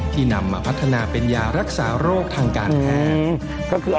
นำมาพัฒนาเป็นยารักษาโรคทางการแพทย์